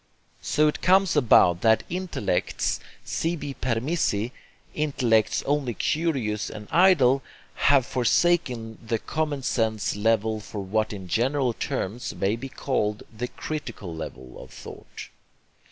So it comes about that intellects SIBI PERMISSI, intellects only curious and idle, have forsaken the common sense level for what in general terms may be called the 'critical' level of thought.